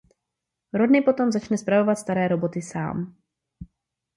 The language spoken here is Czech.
Rodney potom začne spravovat staré roboty sám.